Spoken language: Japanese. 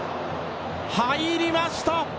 入りました。